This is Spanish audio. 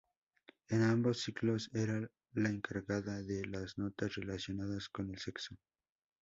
En ambos ciclos era la encargada de las notas relacionadas con el sexo.